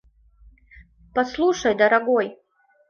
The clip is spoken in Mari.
Паслушай, дарагой!